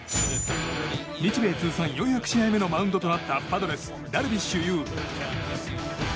日米通算４００試合目のマウンドとなったパドレスダルビッシュ有。